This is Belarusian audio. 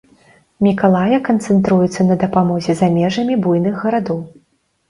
Мікалая канцэнтруецца на дапамозе за межамі буйных гарадоў.